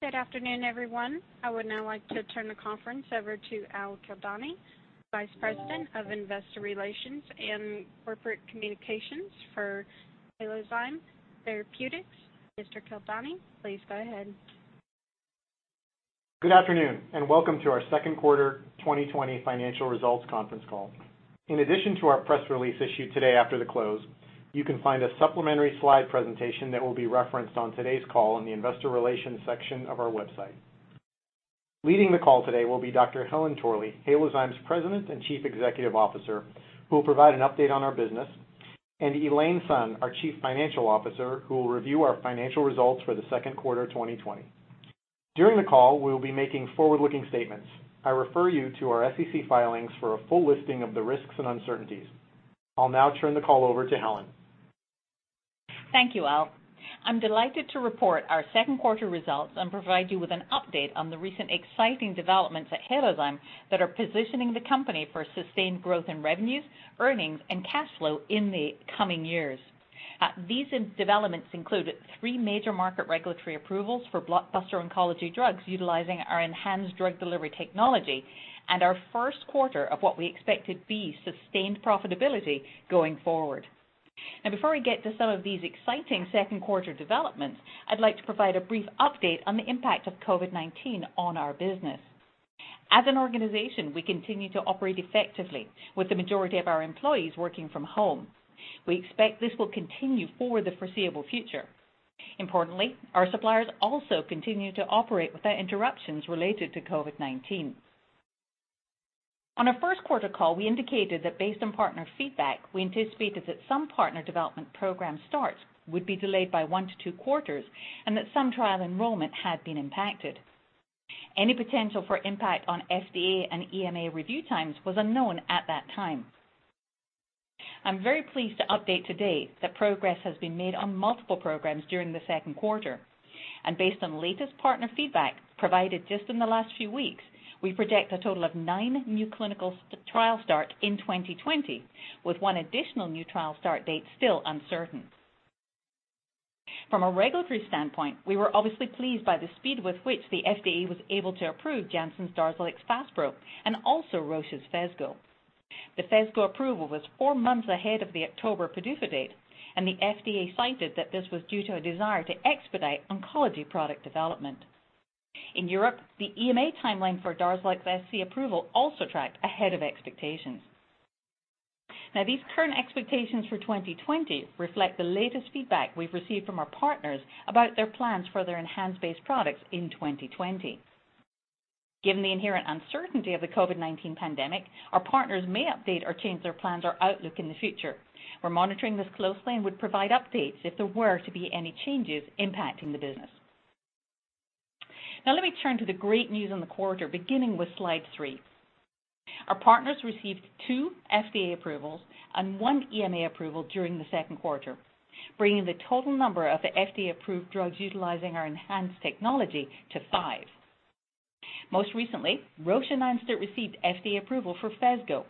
Good afternoon, everyone. I would now like to turn the conference over to Al Kildani, Vice President of Investor Relations and Corporate Communications for Halozyme Therapeutics. Mr. Kildani, please go ahead. Good afternoon, and welcome to our second quarter 2020 financial results conference call. In addition to our press release issued today after the close, you can find a supplementary slide presentation that will be referenced on today's call in the Investor Relations section of our website. Leading the call today will be Dr. Helen Torley, Halozyme's President and Chief Executive Officer, who will provide an update on our business, and Elaine Sun, our Chief Financial Officer, who will review our financial results for the second quarter 2020. During the call, we will be making forward-looking statements. I refer you to our SEC filings for a full listing of the risks and uncertainties. I'll now turn the call over to Helen. Thank you, Al. I'm delighted to report our second quarter results and provide you with an update on the recent exciting developments at Halozyme that are positioning the company for sustained growth in revenues, earnings, and cash flow in the coming years. These developments include three major market regulatory approvals for blockbuster oncology drugs utilizing our ENHANZE Drug Delivery Technology and our first quarter of what we expected to be sustained profitability going forward. Now, before we get to some of these exciting second quarter developments, I'd like to provide a brief update on the impact of COVID-19 on our business. As an organization, we continue to operate effectively, with the majority of our employees working from home. We expect this will continue for the foreseeable future. Importantly, our suppliers also continue to operate without interruptions related to COVID-19. On our first quarter call, we indicated that based on partner feedback, we anticipated that some partner development program starts would be delayed by one to two quarters and that some trial enrollment had been impacted. Any potential for impact on FDA and EMA review times was unknown at that time. I'm very pleased to update today that progress has been made on multiple programs during the second quarter, and based on the latest partner feedback provided just in the last few weeks, we project a total of nine new clinical trial starts in 2020, with one additional new trial start date still uncertain. From a regulatory standpoint, we were obviously pleased by the speed with which the FDA was able to approve Janssen's Darzalex Faspro and also Roche's Phesgo. The Phesgo approval was four months ahead of the October PDUFA date, and the FDA cited that this was due to a desire to expedite oncology product development. In Europe, the EMA timeline for Darzalex SC approval also tracked ahead of expectations. Now, these current expectations for 2020 reflect the latest feedback we've received from our partners about their plans for their enhanced-based products in 2020. Given the inherent uncertainty of the COVID-19 pandemic, our partners may update or change their plans or outlook in the future. We're monitoring this closely and would provide updates if there were to be any changes impacting the business. Now, let me turn to the great news in the quarter, beginning with slide three. Our partners received two FDA approvals and one EMA approval during the second quarter, bringing the total number of the FDA-approved drugs utilizing our ENHANZE technology to five. Most recently, Roche ENHANZE received FDA approval for Phesgo,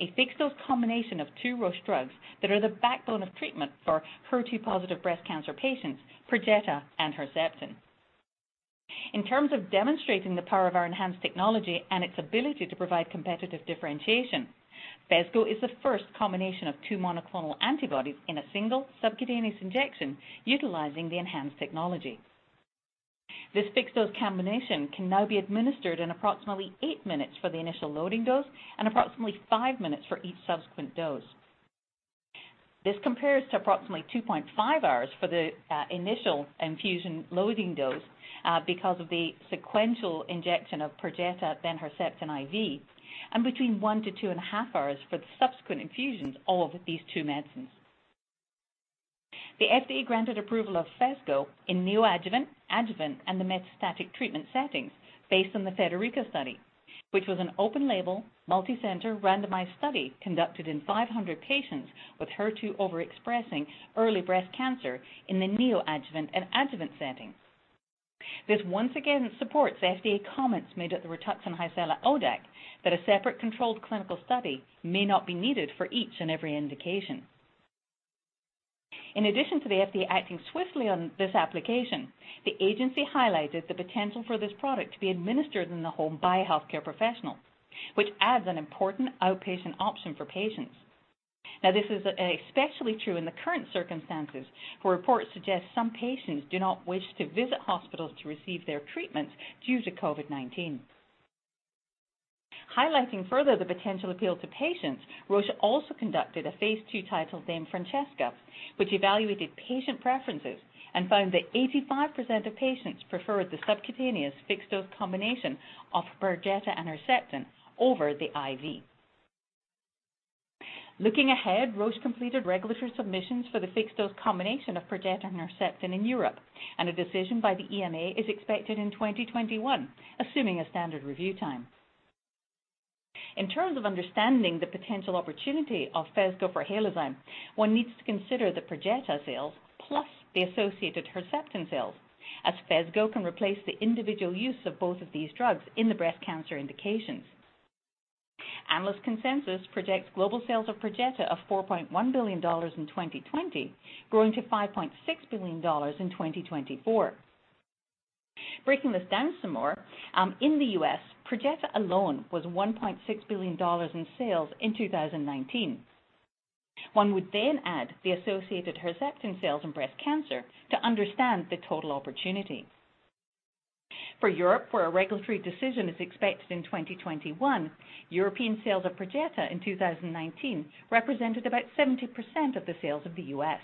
a fixed-dose combination of two Roche drugs that are the backbone of treatment for HER2-positive breast cancer patients, Perjeta and Herceptin. In terms of demonstrating the power of our ENHANZE technology and its ability to provide competitive differentiation, Phesgo is the first combination of two monoclonal antibodies in a single subcutaneous injection utilizing the ENHANZE technology. This fixed-dose combination can now be administered in approximately eight minutes for the initial loading dose and approximately five minutes for each subsequent dose. This compares to approximately 2.5 hours for the initial infusion loading dose because of the sequential injection of Perjeta, then Herceptin IV, and between one to two and a half hours for the subsequent infusions of these two medicines. The FDA granted approval of Fesgo in neoadjuvant, adjuvant, and the metastatic treatment settings based on the FeDeriCa study, which was an open-label, multicenter randomized study conducted in 500 patients with HER2 overexpressing early breast cancer in the neoadjuvant and adjuvant setting. This once again supports FDA comments made at the Rituxan Hycela ODAC that a separate controlled clinical study may not be needed for each and every indication. In addition to the FDA acting swiftly on this application, the agency highlighted the potential for this product to be administered in the home by a healthcare professional, which adds an important outpatient option for patients. Now, this is especially true in the current circumstances as reports show that some patients do not wish to visit hospitals to receive their treatments due to COVID-19. Highlighting further the potential appeal to patients, Roche also conducted a phase 2 titled Dame Francesca, which evaluated patient preferences and found that 85% of patients preferred the subcutaneous fixed-dose combination of Perjeta and Herceptin over the IV. Looking ahead, Roche completed regulatory submissions for the fixed-dose combination of Perjeta and Herceptin in Europe, and a decision by the EMA is expected in 2021, assuming a standard review time. In terms of understanding the potential opportunity of Phesgo for Halozyme, one needs to consider the Perjeta sales plus the associated Herceptin sales, as Phesgo can replace the individual use of both of these drugs in the breast cancer indications. Analyst consensus projects global sales of Perjeta of $4.1 billion in 2020, growing to $5.6 billion in 2024. Breaking this down some more, in the U.S., Perjeta alone was $1.6 billion in sales in 2019. One would then add the associated Herceptin sales in breast cancer to understand the total opportunity. For Europe, where a regulatory decision is expected in 2021, European sales of Perjeta in 2019 represented about 70% of the sales of the U.S.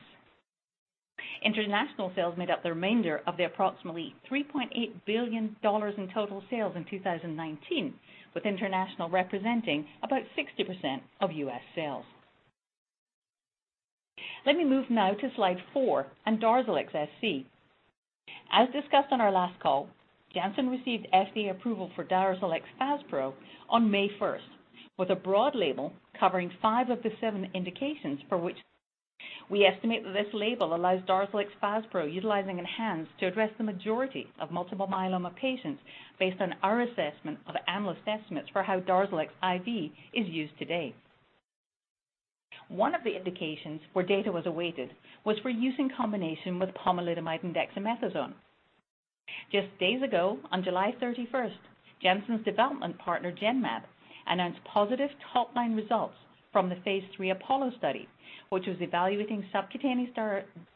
International sales made up the remainder of the approximately $3.8 billion in total sales in 2019, with international representing about 60% of U.S. sales. Let me move now to slide four and Darzalex SC. As discussed on our last call, Janssen received FDA approval for Darzalex Faspro on May 1st, with a broad label covering five of the seven indications for which. We estimate that this label allows Darzalex Faspro utilizing ENHANZE to address the majority of multiple myeloma patients based on our assessment of analyst estimates for how Darzalex IV is used today. One of the indications where data was awaited was for use in combination with pomalidomide and dexamethasone. Just days ago, on July 31st, Janssen's development partner, Genmab, announced positive top-line results from the phase 3 APOLLO study, which was evaluating subcutaneous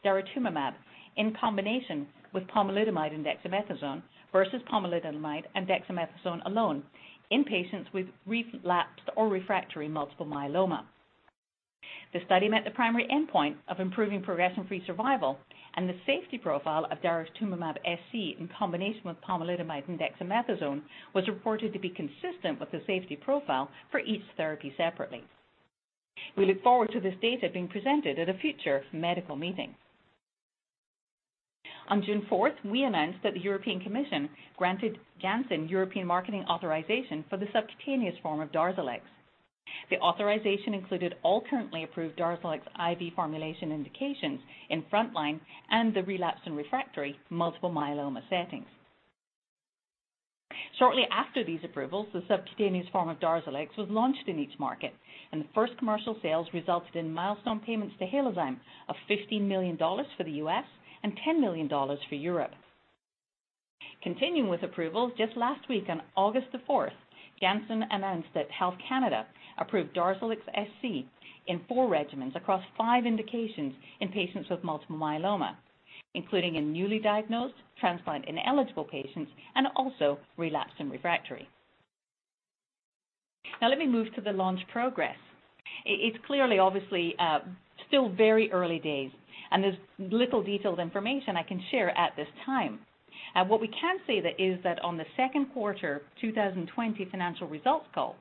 daratumumab in combination with pomalidomide and dexamethasone versus pomalidomide and dexamethasone alone in patients with relapsed or refractory multiple myeloma. The study met the primary endpoint of improving progression-free survival, and the safety profile of daratumumab SC in combination with pomalidomide and dexamethasone was reported to be consistent with the safety profile for each therapy separately. We look forward to this data being presented at a future medical meeting. On June 4th, we announced that the European Commission granted Janssen European marketing authorization for the subcutaneous form of Darzalex. The authorization included all currently approved Darzalex IV formulation indications in front-line and the relapsed and refractory multiple myeloma settings. Shortly after these approvals, the subcutaneous form of Darzalex was launched in each market, and the first commercial sales resulted in milestone payments to Halozyme of $15 million for the U.S. and $10 million for Europe. Continuing with approvals, just last week on August the 4th, Janssen announced that Health Canada approved Darzalex SC in four regimens across five indications in patients with multiple myeloma, including in newly diagnosed, transplant-ineligible patients, and also relapsed and refractory. Now, let me move to the launch progress. It's clearly obviously still very early days, and there's little detailed information I can share at this time. What we can say is that on the second quarter 2020 financial results call,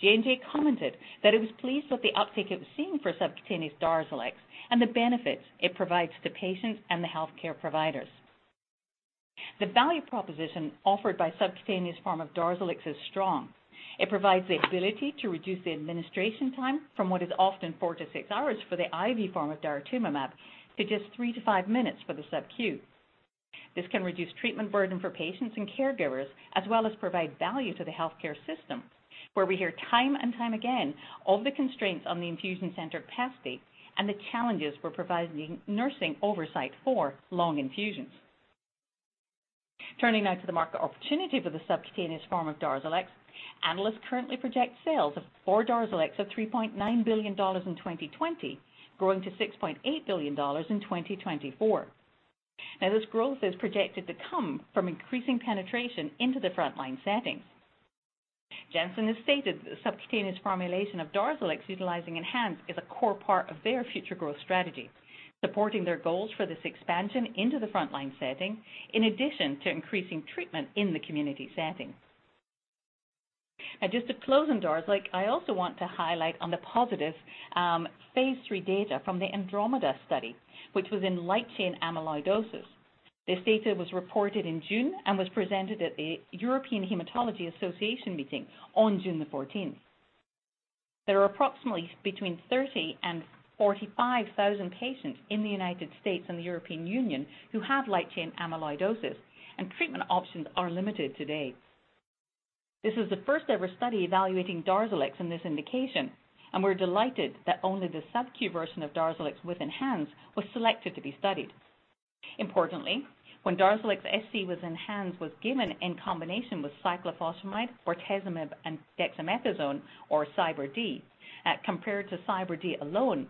J&J commented that it was pleased with the uptake it was seeing for subcutaneous Darzalex and the benefits it provides to patients and the healthcare providers. The value proposition offered by subcutaneous form of Darzalex is strong. It provides the ability to reduce the administration time from what is often four to six hours for the IV form of daratumumab to just three to five minutes for the subQ. This can reduce treatment burden for patients and caregivers as well as provide value to the healthcare system, where we hear time and time again of the constraints on the infusion center capacity and the challenges we're providing nursing oversight for long infusions. Turning now to the market opportunity for the subcutaneous form of Darzalex, analysts currently project sales for Darzalex of $3.9 billion in 2020, growing to $6.8 billion in 2024. Now, this growth is projected to come from increasing penetration into the front-line settings. Janssen has stated that the subcutaneous formulation of Darzalex utilizing ENHANZE is a core part of their future growth strategy, supporting their goals for this expansion into the front-line setting in addition to increasing treatment in the community setting. Now, just to close on Darzalex, I also want to highlight the positive phase 3 data from the ANDROMEDA study, which was in light chain amyloidosis. This data was reported in June and was presented at the European Hematology Association meeting on June the 14th. There are approximately between 30 and 45,000 patients in the United States and the European Union who have light chain amyloidosis, and treatment options are limited today. This is the first-ever study evaluating Darzalex in this indication, and we're delighted that only the subQ version of Darzalex with ENHANZE was selected to be studied. Importantly, when Darzalex SC was ENHANZE, it was given in combination with cyclophosphamide, bortezomib, and dexamethasone, or CyBorD, compared to CyBorD alone,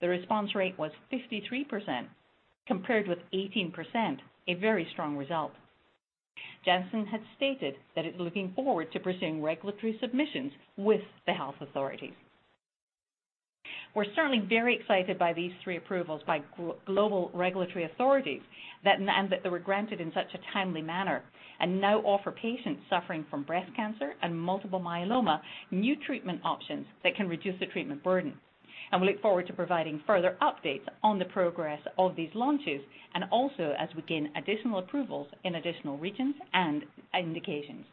the response rate was 53%, compared with 18%, a very strong result. Janssen had stated that it's looking forward to pursuing regulatory submissions with the health authorities. We're certainly very excited by these three approvals by global regulatory authorities that were granted in such a timely manner and now offer patients suffering from breast cancer and multiple myeloma new treatment options that can reduce the treatment burden, and we look forward to providing further updates on the progress of these launches and also as we gain additional approvals in additional regions and indications.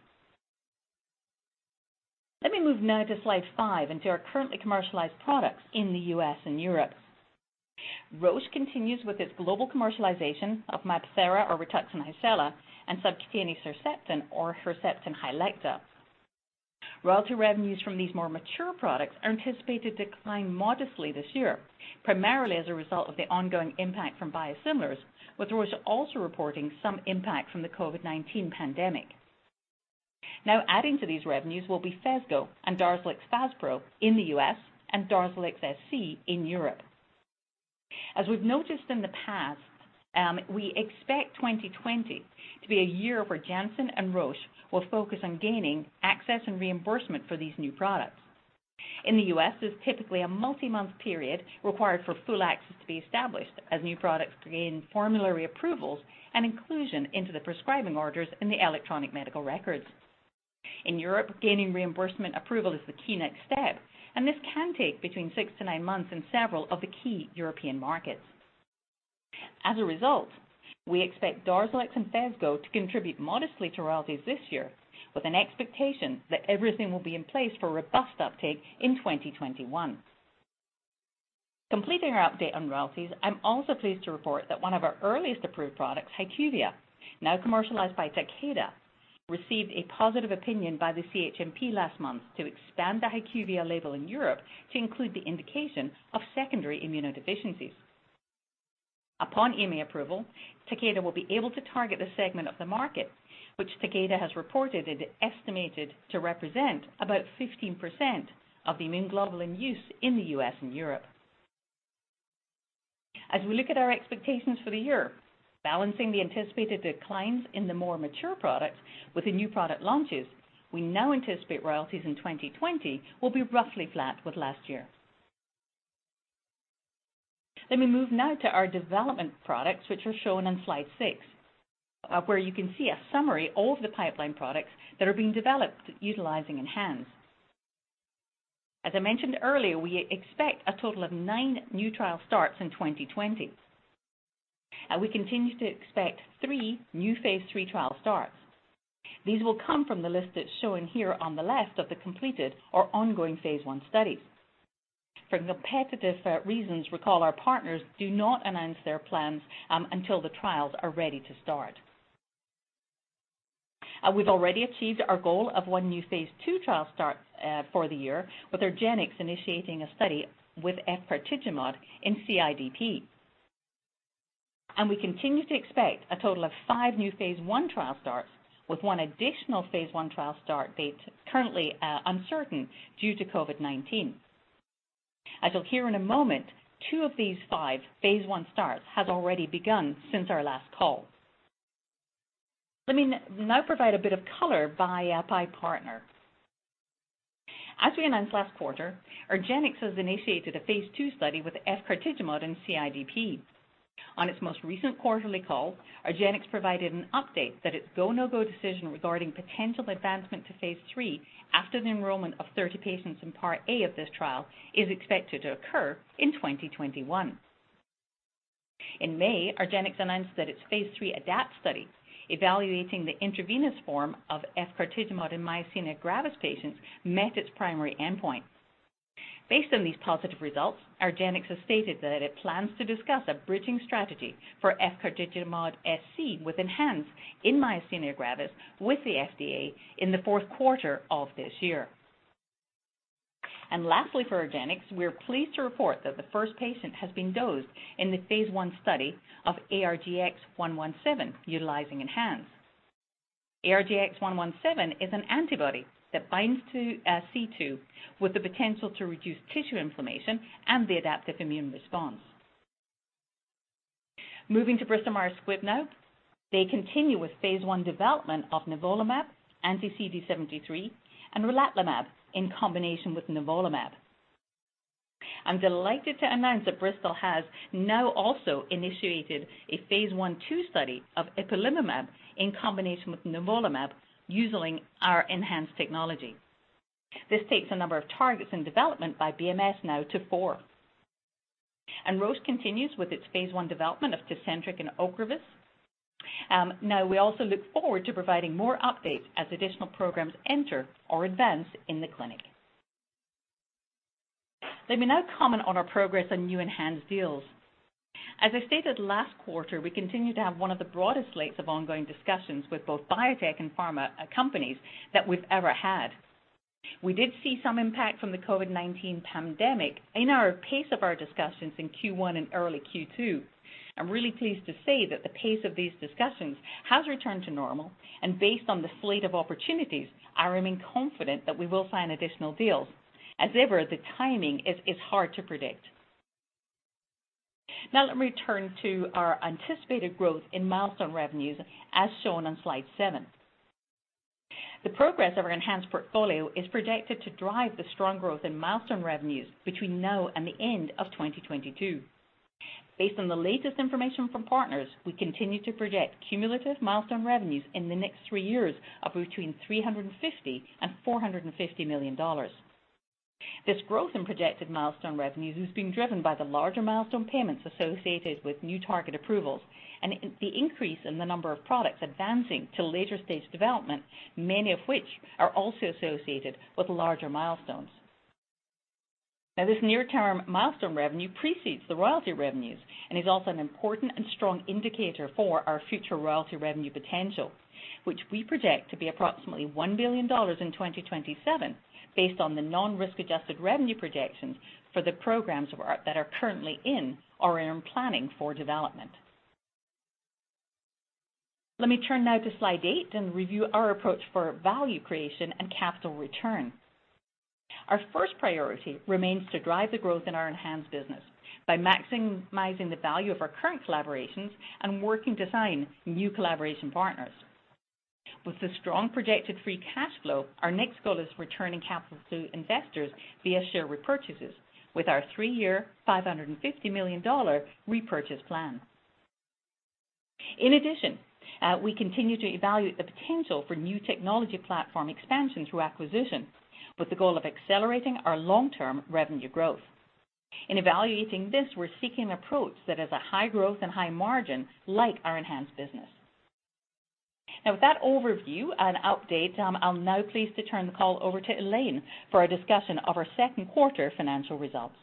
Let me move now to slide five and to our currently commercialized products in the U.S. and Europe. Roche continues with its global commercialization of MabThera or Rituxan Hycela and subcutaneous Herceptin or Herceptin Hylecta. Royalty revenues from these more mature products are anticipated to decline modestly this year, primarily as a result of the ongoing impact from biosimilars, with Roche also reporting some impact from the COVID-19 pandemic. Now, adding to these revenues will be Phesgo and Darzalex Faspro in the U.S. and Darzalex SC in Europe. As we've noticed in the past, we expect 2020 to be a year where Janssen and Roche will focus on gaining access and reimbursement for these new products. In the U.S., there's typically a multi-month period required for full access to be established as new products gain formulary approvals and inclusion into the prescribing orders in the electronic medical records. In Europe, gaining reimbursement approval is the key next step, and this can take between six to nine months in several of the key European markets. As a result, we expect Darzalex and Phesgo to contribute modestly to royalties this year, with an expectation that everything will be in place for robust uptake in 2021. Completing our update on royalties, I'm also pleased to report that one of our earliest approved products, HyQvia, now commercialized by Takeda, received a positive opinion by the CHMP last month to expand the HyQvia label in Europe to include the indication of secondary immunodeficiencies. Upon EMA approval, Takeda will be able to target the segment of the market, which Takeda has reported it estimated to represent about 15% of the immune globulin use in the U.S. and Europe. As we look at our expectations for the year, balancing the anticipated declines in the more mature products with the new product launches, we now anticipate royalties in 2020 will be roughly flat with last year. Let me move now to our development products, which are shown on slide six, where you can see a summary of the pipeline products that are being developed utilizing ENHANZE. As I mentioned earlier, we expect a total of nine new trial starts in 2020, and we continue to expect three new phase three trial starts. These will come from the list that's shown here on the left of the completed or ongoing phase one studies. For competitive reasons, recall our partners do not announce their plans until the trials are ready to start. We've already achieved our goal of one new phase two trial start for the year, with Argenx initiating a study with Efgartigimod in CIDP. We continue to expect a total of five new phase one trial starts, with one additional phase one trial start date currently uncertain due to COVID-19. As you'll hear in a moment, two of these five phase one starts have already begun since our last call. Let me now provide a bit of color by partner. As we announced last quarter, Argenx has initiated a phase two study with efgartigimod in CIDP. On its most recent quarterly call, Argenx provided an update that its go-no-go decision regarding potential advancement to phase three after the enrollment of 30 patients in part A of this trial is expected to occur in 2021. In May, Argenx announced that its phase three ADAPT study, evaluating the intravenous form of efgartigimod in myasthenia gravis patients, met its primary endpoint. Based on these positive results, Argenx has stated that it plans to discuss a bridging strategy for efgartigimod SC with ENHANZE in myasthenia gravis with the FDA in the fourth quarter of this year. And lastly, for Argenx, we're pleased to report that the first patient has been dosed in the phase 1 study of ARGX-117 utilizing ENHANZE. ARGX-117 is an antibody that binds to C2 with the potential to reduce tissue inflammation and the adaptive immune response. Moving to Bristol-Myers Squibb now, they continue with phase 1 development of nivolumab, anti-CD73, and relatlimab in combination with nivolumab. I'm delighted to announce that Bristol has now also initiated a phase 1/2 study of ipilimumab in combination with nivolumab using our ENHANZE technology. This takes the number of targets in development by BMS now to four. And Roche continues with its phase 1 development of Tecentriq and Ocrevus. Now, we also look forward to providing more updates as additional programs enter or advance in the clinic. Let me now comment on our progress on new ENHANZE deals. As I stated last quarter, we continue to have one of the broadest slates of ongoing discussions with both biotech and pharma companies that we've ever had. We did see some impact from the COVID-19 pandemic in our pace of our discussions in Q1 and early Q2. I'm really pleased to say that the pace of these discussions has returned to normal, and based on the slate of opportunities, I remain confident that we will find additional deals. As ever, the timing is hard to predict. Now, let me return to our anticipated growth in milestone revenues as shown on slide seven. The progress of our ENHANZE portfolio is projected to drive the strong growth in milestone revenues between now and the end of 2022. Based on the latest information from partners, we continue to project cumulative milestone revenues in the next three years of between $350 and $450 million. This growth in projected milestone revenues is being driven by the larger milestone payments associated with new target approvals and the increase in the number of products advancing to later stage development, many of which are also associated with larger milestones. Now, this near-term milestone revenue precedes the royalty revenues and is also an important and strong indicator for our future royalty revenue potential, which we project to be approximately $1 billion in 2027 based on the non-risk-adjusted revenue projections for the programs that are currently in or in planning for development. Let me turn now to slide eight and review our approach for value creation and capital return. Our first priority remains to drive the growth in our enhanced business by maximizing the value of our current collaborations and working to sign new collaboration partners. With the strong projected free cash flow, our next goal is returning capital to investors via share repurchases with our three-year $550 million repurchase plan. In addition, we continue to evaluate the potential for new technology platform expansion through acquisition with the goal of accelerating our long-term revenue growth. In evaluating this, we're seeking an approach that has a high growth and high margin like our enhanced business. Now, with that overview and update, I'm now pleased to turn the call over to Elaine for a discussion of our second quarter financial results.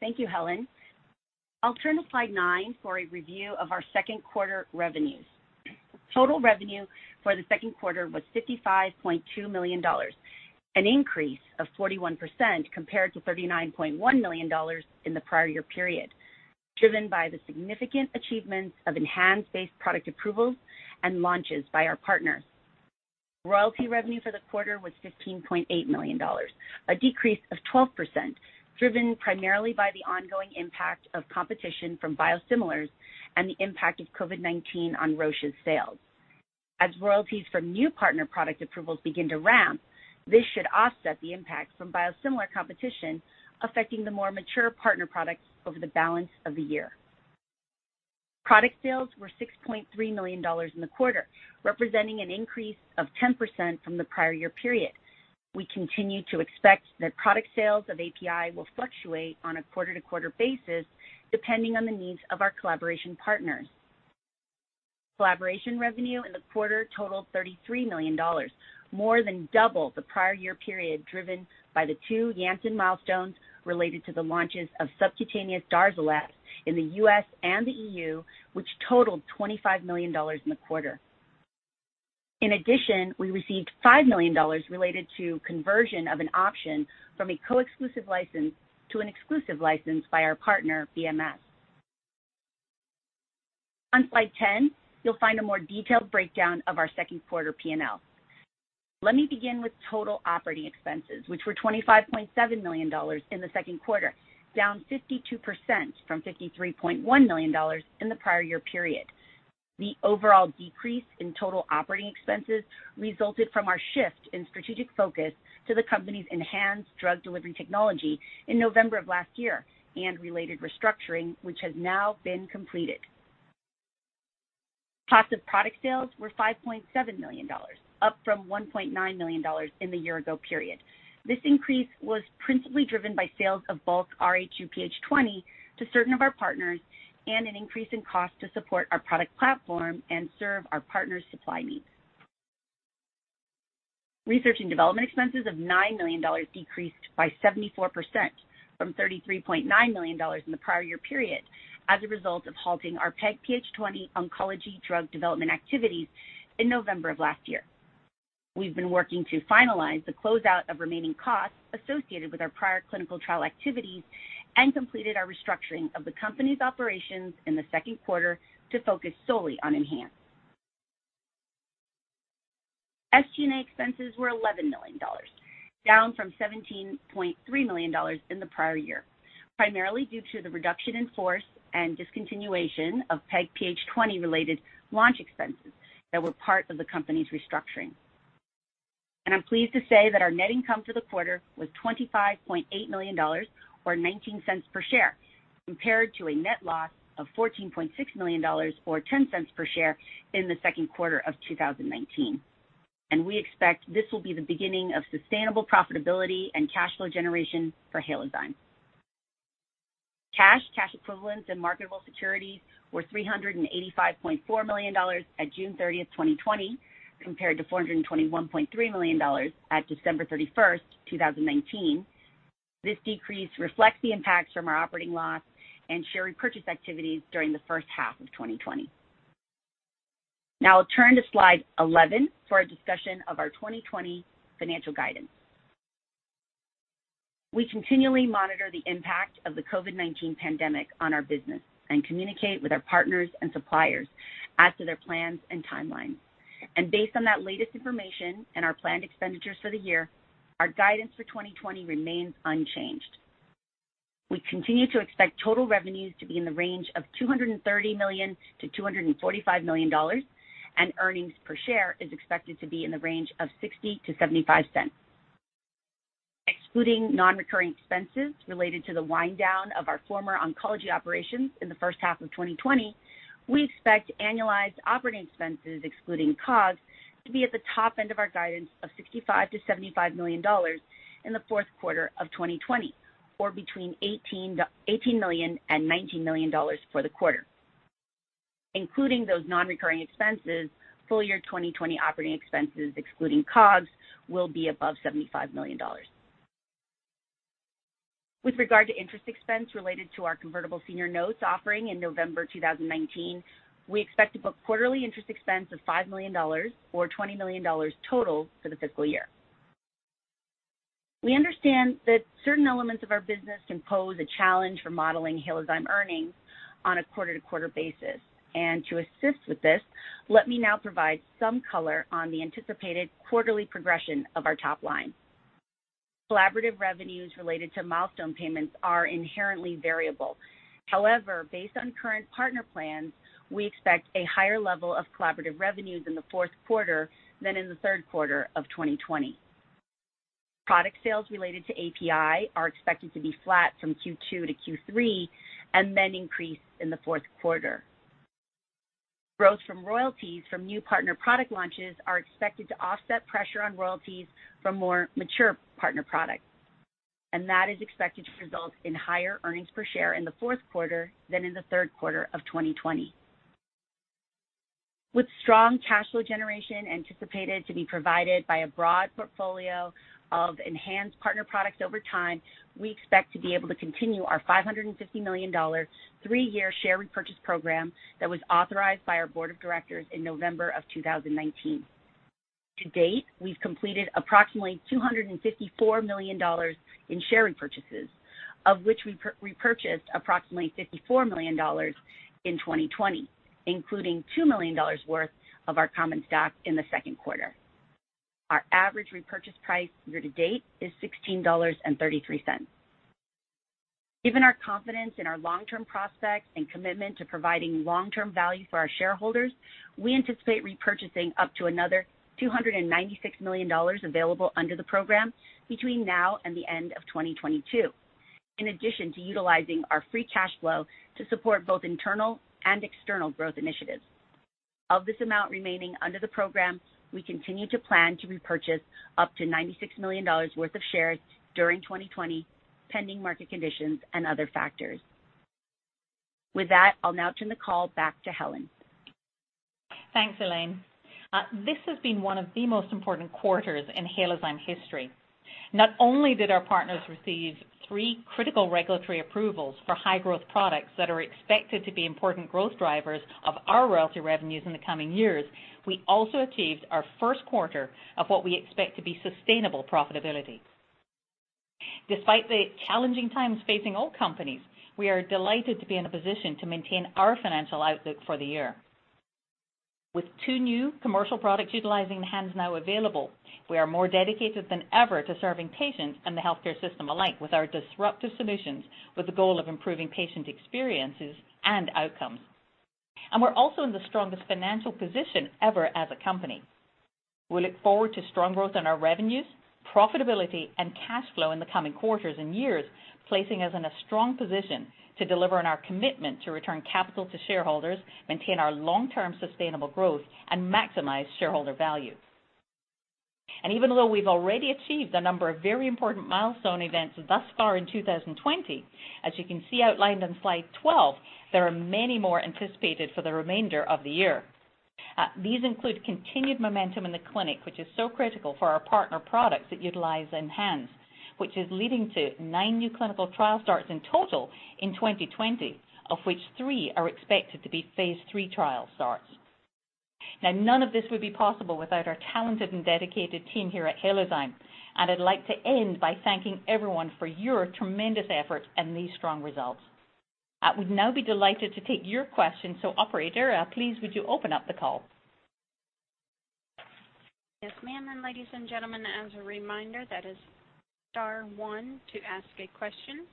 Thank you, Helen. I'll turn to slide nine for a review of our second quarter revenues. Total revenue for the second quarter was $55.2 million, an increase of 41% compared to $39.1 million in the prior year period, driven by the significant achievements of enhanced-based product approvals and launches by our partners. Royalty revenue for the quarter was $15.8 million, a decrease of 12%, driven primarily by the ongoing impact of competition from biosimilars and the impact of COVID-19 on Roche's sales. As royalties from new partner product approvals begin to ramp, this should offset the impact from biosimilar competition affecting the more mature partner products over the balance of the year. Product sales were $6.3 million in the quarter, representing an increase of 10% from the prior year period. We continue to expect that product sales of API will fluctuate on a quarter-to-quarter basis depending on the needs of our collaboration partners. Collaboration revenue in the quarter totaled $33 million, more than double the prior year period driven by the two Janssen milestones related to the launches of subcutaneous Darzalex in the U.S. and the EU, which totaled $25 million in the quarter. In addition, we received $5 million related to conversion of an option from a co-exclusive license to an exclusive license by our partner, BMS. On slide 10, you'll find a more detailed breakdown of our second quarter P&L. Let me begin with total operating expenses, which were $25.7 million in the second quarter, down 52% from $53.1 million in the prior year period. The overall decrease in total operating expenses resulted from our shift in strategic focus to the company's ENHANZE Drug Delivery Technology in November of last year and related restructuring, which has now been completed. Cost of product sales were $5.7 million, up from $1.9 million in the year-ago period. This increase was principally driven by sales of bulk rHuPH20 to certain of our partners and an increase in cost to support our product platform and serve our partners' supply needs. Research and development expenses of $9 million decreased by 74% from $33.9 million in the prior year period as a result of halting our PEG-PH20 oncology drug development activities in November of last year. We've been working to finalize the closeout of remaining costs associated with our prior clinical trial activities and completed our restructuring of the company's operations in the second quarter to focus solely on ENHANZE. SG&A expenses were $11 million, down from $17.3 million in the prior year, primarily due to the reduction in force and discontinuation of PEG-PH20-related launch expenses that were part of the company's restructuring. And I'm pleased to say that our net income for the quarter was $25.8 million, or $0.19 per share, compared to a net loss of $14.6 million, or $0.10 per share in the second quarter of 2019. We expect this will be the beginning of sustainable profitability and cash flow generation for Halozyme. Cash, cash equivalents, and marketable securities were $385.4 million at June 30th, 2020, compared to $421.3 million at December 31st, 2019. This decrease reflects the impacts from our operating loss and share repurchase activities during the first half of 2020. Now, I'll turn to slide 11 for a discussion of our 2020 financial guidance. We continually monitor the impact of the COVID-19 pandemic on our business and communicate with our partners and suppliers as to their plans and timelines. Based on that latest information and our planned expenditures for the year, our guidance for 2020 remains unchanged. We continue to expect total revenues to be in the range of $230 million-$245 million, and earnings per share is expected to be in the range of $0.60-$0.75. Excluding non-recurring expenses related to the wind down of our former oncology operations in the first half of 2020, we expect annualized operating expenses, excluding COGS, to be at the top end of our guidance of $65-$75 million in the fourth quarter of 2020, or between $18 million and $19 million for the quarter. Including those non-recurring expenses, full year 2020 operating expenses, excluding COGS, will be above $75 million. With regard to interest expense related to our convertible senior notes offering in November 2019, we expect to book quarterly interest expense of $5 million, or $20 million total for the fiscal year. We understand that certain elements of our business can pose a challenge for modeling Halozyme earnings on a quarter-to-quarter basis, and to assist with this, let me now provide some color on the anticipated quarterly progression of our top line. Collaborative revenues related to milestone payments are inherently variable. However, based on current partner plans, we expect a higher level of collaborative revenues in the fourth quarter than in the third quarter of 2020. Product sales related to API are expected to be flat from Q2 to Q3 and then increase in the fourth quarter. Growth from royalties from new partner product launches are expected to offset pressure on royalties from more mature partner products. And that is expected to result in higher earnings per share in the fourth quarter than in the third quarter of 2020. With strong cash flow generation anticipated to be provided by a broad portfolio of ENHANZE partner products over time, we expect to be able to continue our $550 million three-year share repurchase program that was authorized by our board of directors in November of 2019. To date, we've completed approximately $254 million in share repurchases, of which we repurchased approximately $54 million in 2020, including $2 million worth of our common stock in the second quarter. Our average repurchase price year-to-date is $16.33. Given our confidence in our long-term prospects and commitment to providing long-term value for our shareholders, we anticipate repurchasing up to another $296 million available under the program between now and the end of 2022, in addition to utilizing our free cash flow to support both internal and external growth initiatives. Of this amount remaining under the program, we continue to plan to repurchase up to $96 million worth of shares during 2020, pending market conditions and other factors. With that, I'll now turn the call back to Helen. Thanks, Elaine. This has been one of the most important quarters in Halozyme history. Not only did our partners receive three critical regulatory approvals for high-growth products that are expected to be important growth drivers of our royalty revenues in the coming years, we also achieved our first quarter of what we expect to be sustainable profitability. Despite the challenging times facing all companies, we are delighted to be in a position to maintain our financial outlook for the year. With two new commercial products utilizing the ENHANZE now available, we are more dedicated than ever to serving patients and the healthcare system alike with our disruptive solutions with the goal of improving patient experiences and outcomes. And we're also in the strongest financial position ever as a company. We look forward to strong growth in our revenues, profitability, and cash flow in the coming quarters and years, placing us in a strong position to deliver on our commitment to return capital to shareholders, maintain our long-term sustainable growth, and maximize shareholder value, and even though we've already achieved a number of very important milestone events thus far in 2020, as you can see outlined on slide 12, there are many more anticipated for the remainder of the year. These include continued momentum in the clinic, which is so critical for our partner products that utilize enhanced, which is leading to nine new clinical trial starts in total in 2020, of which three are expected to be phase three trial starts. Now, none of this would be possible without our talented and dedicated team here at Halozyme. And I'd like to end by thanking everyone for your tremendous efforts and these strong results. I would now be delighted to take your questions. So, Operator, please would you open up the call? Yes, ma'am. And ladies and gentlemen, as a reminder, that is Star One to ask a question.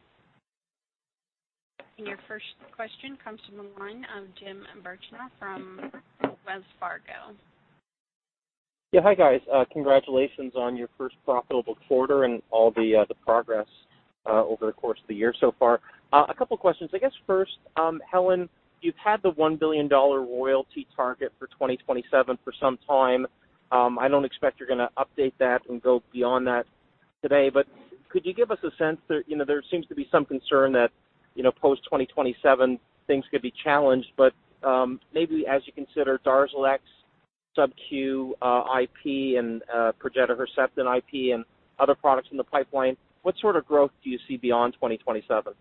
And your first question comes from the line of Jim Birchenough from Wells Fargo. Yeah. Hi, guys. Congratulations on your first profitable quarter and all the progress over the course of the year so far. A couple of questions. I guess first, Helen, you've had the $1 billion royalty target for 2027 for some time. I don't expect you're going to update that and go beyond that today. But could you give us a sense that there seems to be some concern that post-2027, things could be challenged? But maybe as you consider Darzalex SubQ, IV, and Perjeta, Herceptin IV, and other products in the pipeline, what sort of growth do you see beyond 2027?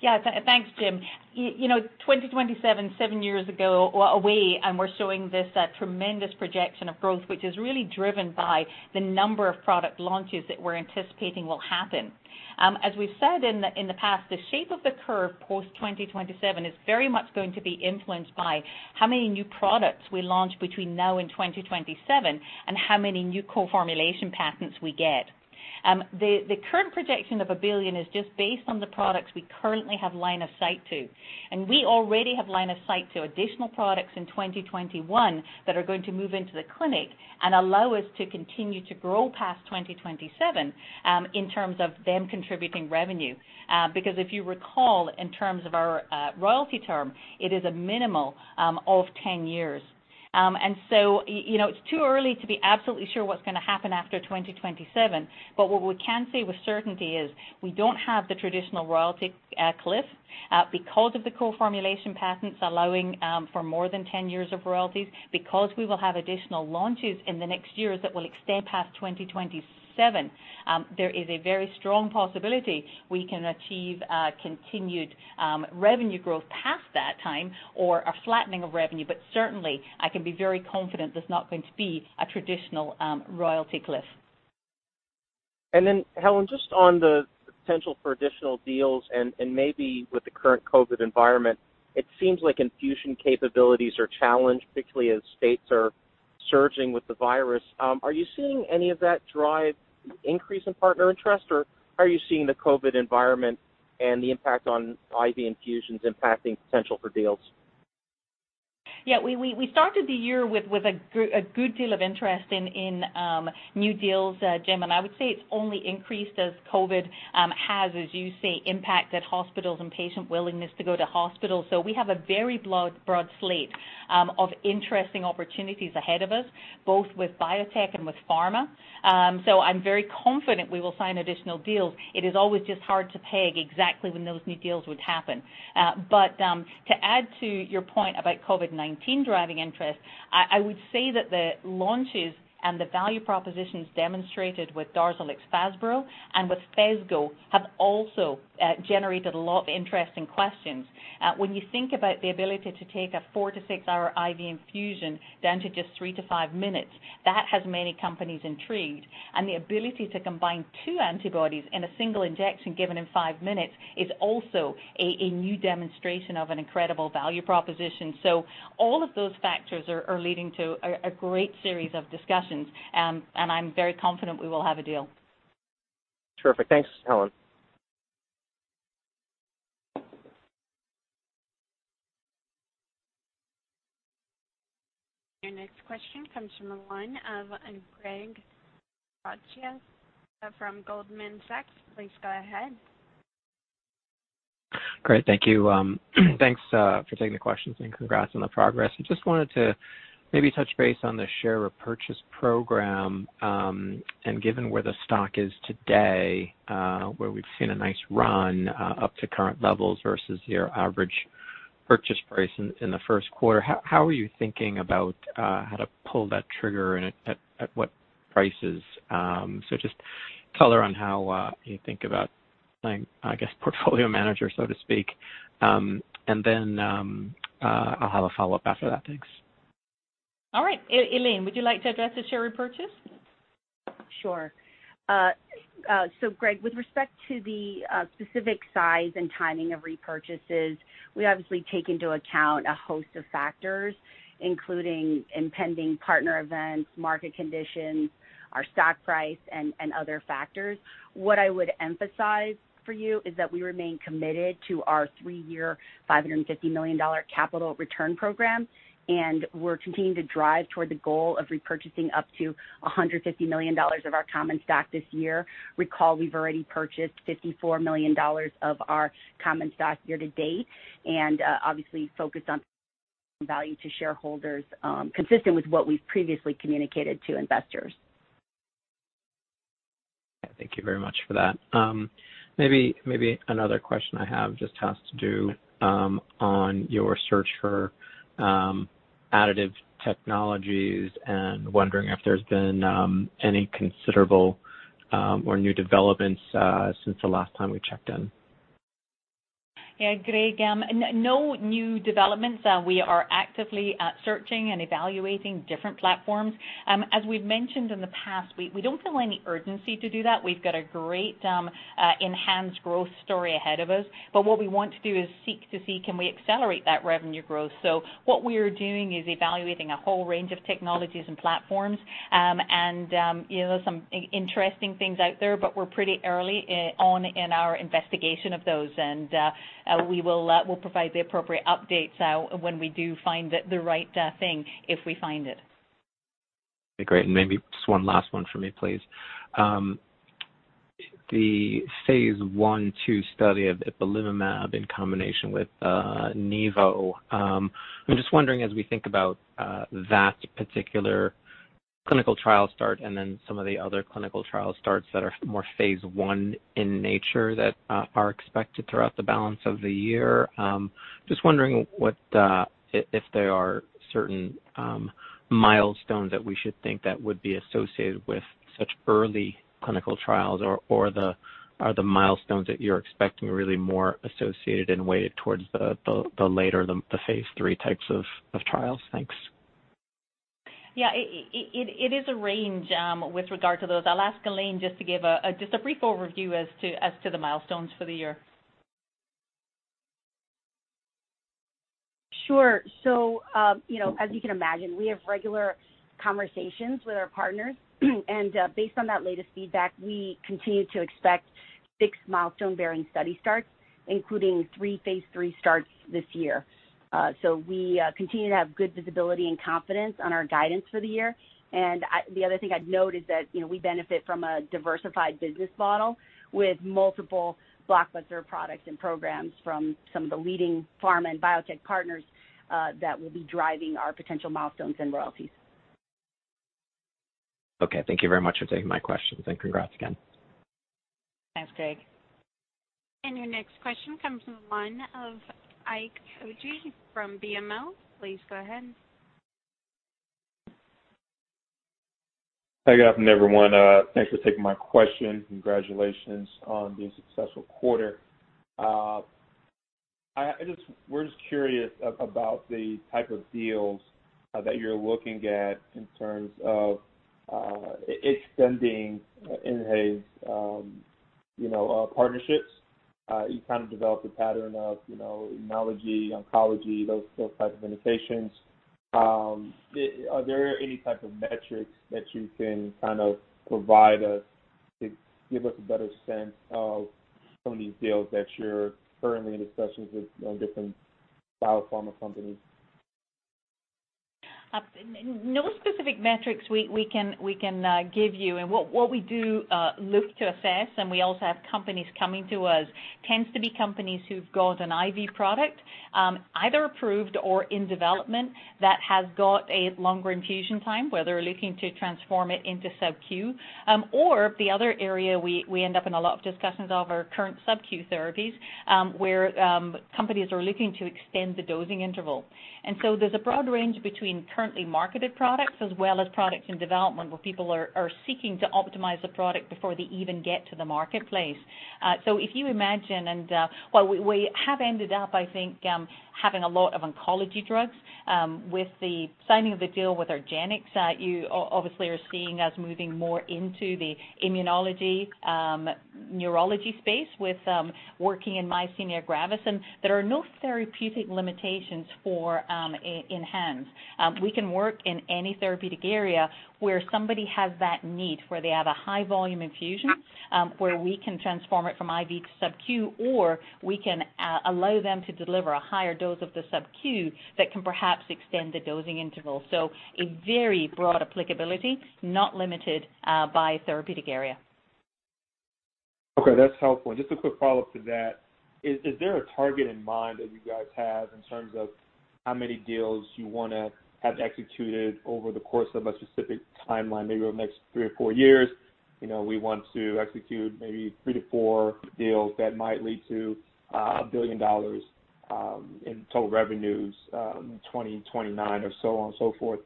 Yeah. Thanks, Jim. 2027, seven years away, and we're showing this tremendous projection of growth, which is really driven by the number of product launches that we're anticipating will happen. As we've said in the past, the shape of the curve post-2027 is very much going to be influenced by how many new products we launch between now and 2027 and how many new co-formulation patents we get. The current projection of $1 billion is just based on the products we currently have line of sight to. And we already have line of sight to additional products in 2021 that are going to move into the clinic and allow us to continue to grow past 2027 in terms of them contributing revenue. Because if you recall, in terms of our royalty term, it is a minimal of 10 years, and so it's too early to be absolutely sure what's going to happen after 2027. But what we can say with certainty is we don't have the traditional royalty cliff because of the co-formulation patents allowing for more than 10 years of royalties. Because we will have additional launches in the next years that will extend past 2027, there is a very strong possibility we can achieve continued revenue growth past that time or a flattening of revenue, but certainly, I can be very confident there's not going to be a traditional royalty cliff, And then, Helen, just on the potential for additional deals and maybe with the current COVID environment, it seems like infusion capabilities are challenged, particularly as states are surging with the virus. Are you seeing any of that drive increase in partner interest, or are you seeing the COVID environment and the impact on IV infusions impacting potential for deals? Yeah. We started the year with a good deal of interest in new deals, Jim. And I would say it's only increased as COVID has, as you say, impacted hospitals and patient willingness to go to hospitals. So we have a very broad slate of interesting opportunities ahead of us, both with biotech and with pharma. So I'm very confident we will sign additional deals. It is always just hard to peg exactly when those new deals would happen. But to add to your point about COVID-19 driving interest, I would say that the launches and the value propositions demonstrated with Darzalex, Faspro, and with Fesgo have also generated a lot of interesting questions. When you think about the ability to take a four to six-hour IV infusion down to just three to five minutes, that has many companies intrigued. And the ability to combine two antibodies in a single injection given in five minutes is also a new demonstration of an incredible value proposition. So all of those factors are leading to a great series of discussions. And I'm very confident we will have a deal. Terrific. Thanks, Helen. Your next question comes from the line of Graig Suvannavejh from Goldman Sachs. Please go ahead. Great. Thank you. Thanks for taking the questions and congrats on the progress. I just wanted to maybe touch base on the share repurchase program. And given where the stock is today, where we've seen a nice run up to current levels versus your average purchase price in the first quarter, how are you thinking about how to pull that trigger and at what prices? So just color on how you think about playing, I guess, portfolio manager, so to speak. And then I'll have a follow-up after that. Thanks. All right. Elaine, would you like to address the share repurchase? Sure. So Graig, with respect to the specific size and timing of repurchases, we obviously take into account a host of factors, including impending partner events, market conditions, our stock price, and other factors. What I would emphasize for you is that we remain committed to our three-year $550 million capital return program. And we're continuing to drive toward the goal of repurchasing up to $150 million of our common stock this year. Recall, we've already purchased $54 million of our common stock year-to-date and obviously focused on value to shareholders consistent with what we've previously communicated to investors. Thank you very much for that. Maybe another question I have just has to do on your search for additive technologies and wondering if there's been any considerable or new developments since the last time we checked in. Yeah. Graig, no new developments. We are actively searching and evaluating different platforms. As we've mentioned in the past, we don't feel any urgency to do that. We've got a great ENHANZE growth story ahead of us, but what we want to do is seek to see can we accelerate that revenue growth, so what we are doing is evaluating a whole range of technologies and platforms and some interesting things out there, but we're pretty early on in our investigation of those. And we will provide the appropriate updates when we do find the right thing if we find it. Great. And maybe just one last one for me, please. The phase 1/2 study of ipilimumab in combination with nivo. I'm just wondering, as we think about that particular clinical trial start and then some of the other clinical trial starts that are more phase 1 in nature that are expected throughout the balance of the year, just wondering if there are certain milestones that we should think that would be associated with such early clinical trials or the milestones that you're expecting are really more associated and weighted towards the later, the phase 3 types of trials. Thanks. Yeah. It is a range with regard to those. I'll ask Elaine just to give just a brief overview as to the milestones for the year. Sure, so as you can imagine, we have regular conversations with our partners. And based on that latest feedback, we continue to expect six milestone-bearing study starts, including three phase 3 starts this year. So we continue to have good visibility and confidence on our guidance for the year. And the other thing I'd note is that we benefit from a diversified business model with multiple blockbuster products and programs from some of the leading pharma and biotech partners that will be driving our potential milestones and royalties. Okay. Thank you very much for taking my questions. And congrats again. Thanks, Graig. And your next question comes from the line of Ikechukwu Oji from BMO. Please go ahead. Hey, good afternoon, everyone. Thanks for taking my question. Congratulations on being a successful quarter. We're just curious about the type of deals that you're looking at in terms of extending ENHANZE partnerships. You kind of developed a pattern of immunology, oncology, those types of indications. Are there any type of metrics that you can kind of provide us to give us a better sense of some of these deals that you're currently in discussions with different biopharma companies? No specific metrics we can give you, and what we do look to assess, and we also have companies coming to us, tends to be companies who've got an IV product either approved or in development that has got a longer infusion time, whether looking to transform it into SubQ. Or the other area we end up in a lot of discussions of are current SubQ therapies where companies are looking to extend the dosing interval. And so there's a broad range between currently marketed products as well as products in development where people are seeking to optimize the product before they even get to the marketplace. So if you imagine and while we have ended up, I think, having a lot of oncology drugs with the signing of the deal with Argenx, you obviously are seeing us moving more into the immunology neurology space with efgartigimod in myasthenia gravis. And there are no therapeutic limitations for ENHANZE. We can work in any therapeutic area where somebody has that need where they have a high-volume infusion where we can transform it from IV to SubQ, or we can allow them to deliver a higher dose of the SubQ that can perhaps extend the dosing interval. So a very broad applicability, not limited by a therapeutic area. Okay. That's helpful. Just a quick follow-up to that. Is there a target in mind that you guys have in terms of how many deals you want to have executed over the course of a specific timeline, maybe over the next three or four years? We want to execute maybe three-to-four deals that might lead to $1 billion in total revenues in 2029 or so on and so forth.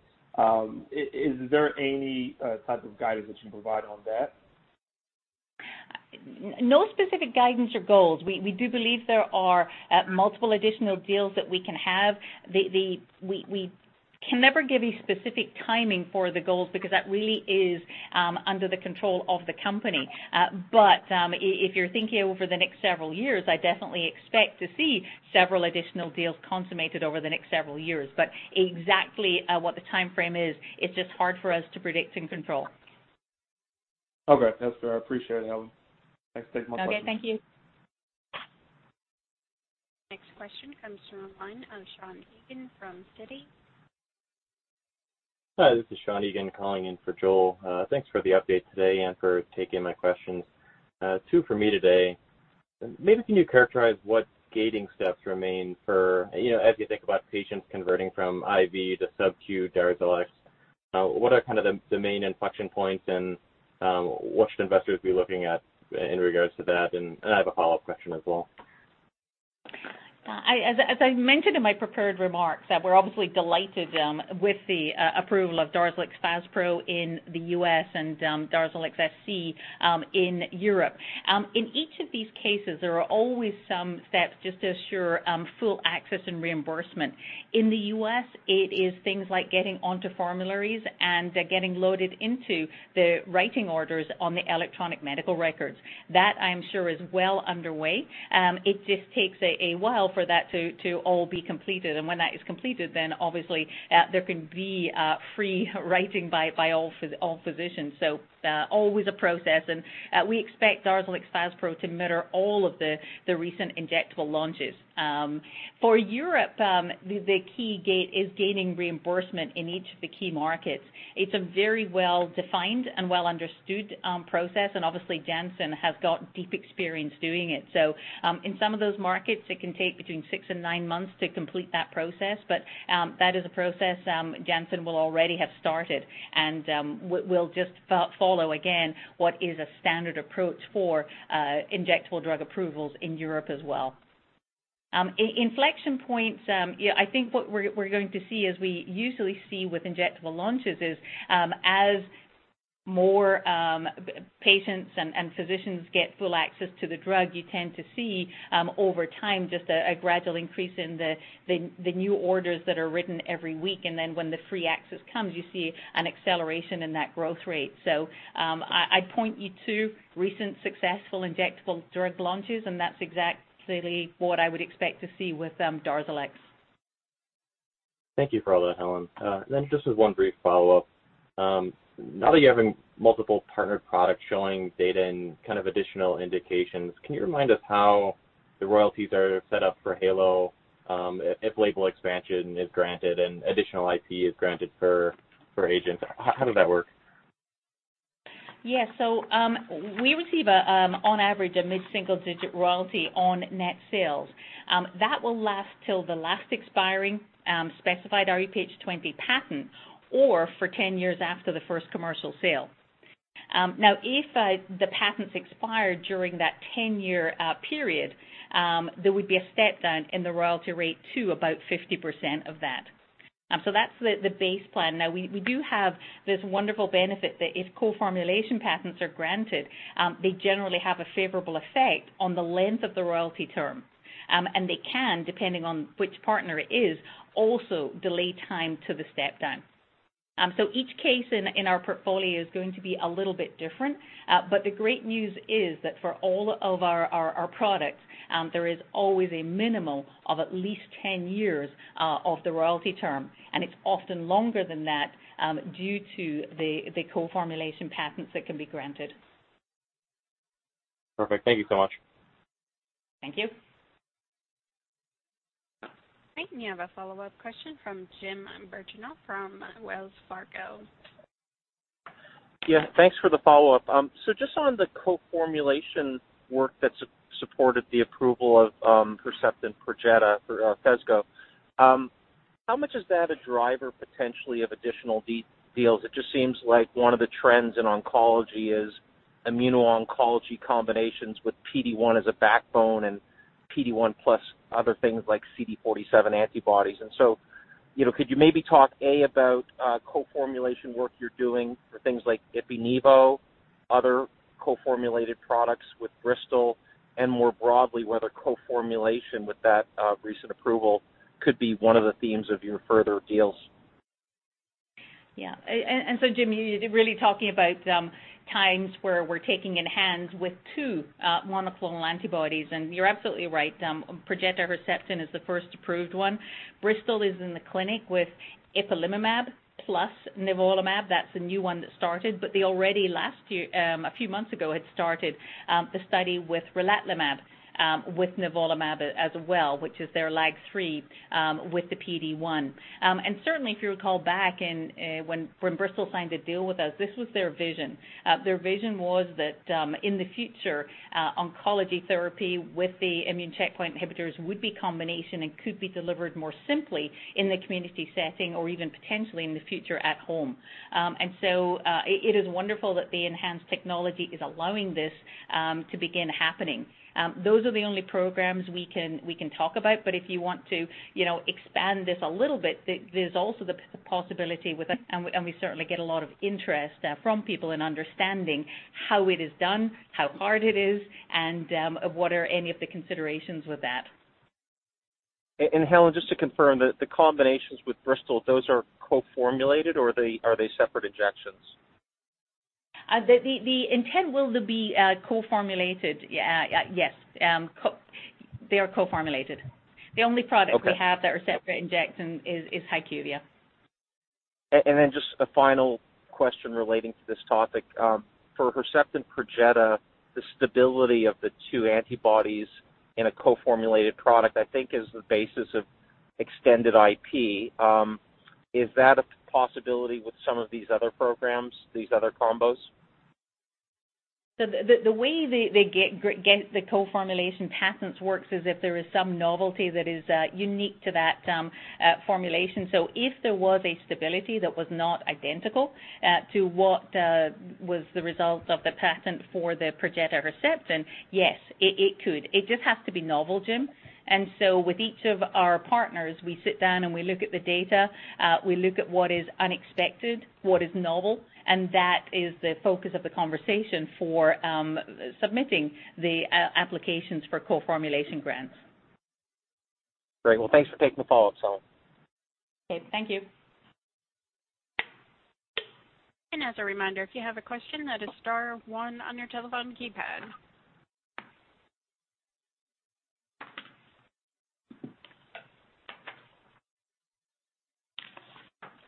Is there any type of guidance that you can provide on that? No specific guidance or goals. We do believe there are multiple additional deals that we can have. We can never give a specific timing for the goals because that really is under the control of the company. But if you're thinking over the next several years, I definitely expect to see several additional deals consummated over the next several years but exactly what the timeframe is, it's just hard for us to predict and control. Okay. That's fair. I appreciate it, Helen. Thanks for taking my question. Okay. Thank you. Next question comes from the line of Sean Meakim from Citigroup. Hi. This is Sean Meakim calling in for Joel. Thanks for the update today and for taking my questions. Two for me today. Maybe if you can you characterize what gating steps remain for as you think about patients converting from IV to SubQ, Darzalex? What are kind of the main inflection points and what should investors be looking at in regards to that? And I have a follow-up question as well. As I mentioned in my prepared remarks, we're obviously delighted with the approval of Darzalex Faspro in the U.S. and Darzalex SC in Europe. In each of these cases, there are always some steps just to assure full access and reimbursement. In the U.S., it is things like getting onto formularies and getting loaded into the writing orders on the electronic medical records. That, I am sure, is well underway. It just takes a while for that to all be completed. And when that is completed, then obviously there can be free writing by all physicians. Always a process. We expect Darzalex Faspro to mirror all of the recent injectable launches. For Europe, the key gate is gaining reimbursement in each of the key markets. It's a very well-defined and well-understood process. Obviously, Janssen has got deep experience doing it. In some of those markets, it can take between six and nine months to complete that process. That is a process Janssen will already have started. And we'll just follow again what is a standard approach for injectable drug approvals in Europe as well. Inflection points, I think what we're going to see as we usually see with injectable launches is as more patients and physicians get full access to the drug, you tend to see over time just a gradual increase in the new orders that are written every week. And then when the free access comes, you see an acceleration in that growth rate. So I'd point you to recent successful injectable drug launches. And that's exactly what I would expect to see with Darzalex. Thank you for all that, Helen. And then, just as one brief follow-up, now that you're having multiple partnered products showing data and kind of additional indications, can you remind us how the royalties are set up for Halo if label expansion is granted and additional IP is granted for agents? How does that work? Yeah. So we receive on average a mid-single-digit royalty on net sales. That will last till the last expiring specified rHuPH20 patent or for 10 years after the first commercial sale. Now, if the patents expire during that 10-year period, there would be a step down in the royalty rate to about 50% of that. So that's the base plan. Now, we do have this wonderful benefit that if co-formulation patents are granted, they generally have a favorable effect on the length of the royalty term. And they can, depending on which partner it is, also delay time to the step down. So each case in our portfolio is going to be a little bit different. But the great news is that for all of our products, there is always a minimum of at least 10 years of the royalty term. And it's often longer than that due to the co-formulation patents that can be granted. Perfect. Thank you so much. Thank you. I have a follow-up question from Jim Birchenough from Wells Fargo. Yeah. Thanks for the follow-up. So just on the co-formulation work that supported the approval of Herceptin, Perjeta, Fesgo. How much is that a driver potentially of additional deals? It just seems like one of the trends in oncology is immuno-oncology combinations with PD-1 as a backbone and PD-1 plus other things like CD47 antibodies. And so could you maybe talk about co-formulation work you're doing for things like Opdivo, other co-formulated products with Bristol, and more broadly, whether co-formulation with that recent approval could be one of the themes of your further deals? Yeah. And so, Jim, you're really talking about times where we're taking ENHANZE with two monoclonal antibodies. And you're absolutely right. Perjeta, Herceptin is the first approved one. Bristol is in the clinic with Ipilimumab plus Nivolumab. That's a new one that started. But they already last year, a few months ago, had started the study with Relatlimab with Nivolumab as well, which is their LAG-3 with the PD-1. And certainly, if you recall back when Bristol signed a deal with us, this was their vision. Their vision was that in the future, oncology therapy with the immune checkpoint inhibitors would be combination and could be delivered more simply in the community setting or even potentially in the future at home. And so it is wonderful that the ENHANZE technology is allowing this to begin happening. Those are the only programs we can talk about. But if you want to expand this a little bit, there's also the possibility with. And we certainly get a lot of interest from people in understanding how it is done, how hard it is, and what are any of the considerations with that. And Helen, just to confirm, the combinations with Bristol, those are co-formulated or are they separate injections? The intent will be co-formulated. Yes. They are co-formulated. The only product we have that are separate injections is HyQvia. And then just a final question relating to this topic. For Herceptin, Perjeta, the stability of the two antibodies in a co-formulated product, I think, is the basis of extended IP. Is that a possibility with some of these other programs, these other combos? The way they get the co-formulation patents works is if there is some novelty that is unique to that formulation. So if there was a stability that was not identical to what was the result of the patent for the Perjeta Herceptin, yes, it could. It just has to be novel, Jim. And so with each of our partners, we sit down and we look at the data. We look at what is unexpected, what is novel. And that is the focus of the conversation for submitting the applications for co-formulation patents. Great. Well, thanks for taking the follow-up, Helen. Okay. Thank you. And as a reminder, if you have a question, that is star one on your telephone keypad. All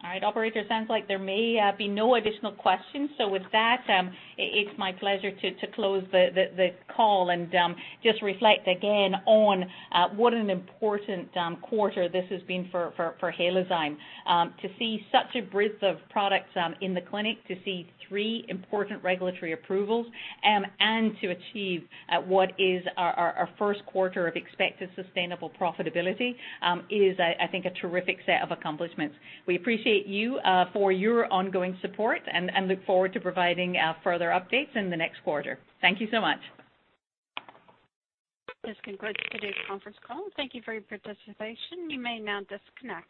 right. Operator, it sounds like there may be no additional questions. So with that, it's my pleasure to close the call and just reflect again on what an important quarter this has been for Halozyme to see such a breadth of products in the clinic, to see three important regulatory approvals, and to achieve what is our first quarter of expected sustainable profitability is, I think, a terrific set of accomplishments. We appreciate you for your ongoing support and look forward to providing further updates in the next quarter. Thank you so much. This concludes today's conference call. Thank you for your participation. You may now disconnect.